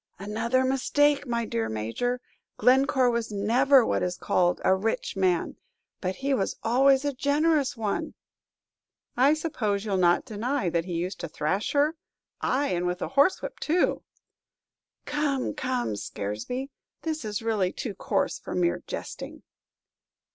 "Another mistake, my dear Major. Glencore was never what is called a rich man, but he was always a generous one!" "I suppose you'll not deny that he used to thrash her? Ay, and with a horsewhip too!" "Come, come, Scaresby; this is really too coarse for mere jesting."